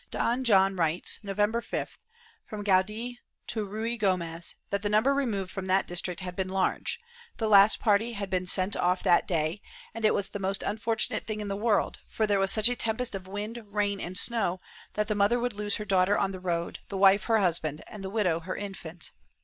Don John writes, November 5th, from Guadix to Ruy Gomez, that the number removed from that district had been large; the last party had been sent off that day and it was the most unfortunate thing in the world, for there was such a tempest of wind, rain and snow that the mother would lose her daughter on the road, the wife her husband and the widow her infant.